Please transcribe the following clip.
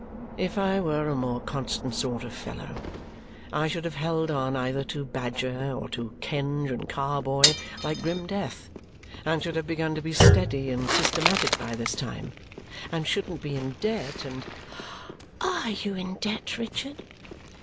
If I were a more constant sort of fellow, I should have held on either to Badger or to Kenge and Carboy like grim death, and should have begun to be steady and systematic by this time, and shouldn't be in debt, and " "ARE you in debt, Richard?"